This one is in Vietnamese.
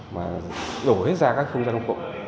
và đổ hết ra các không gian công cộng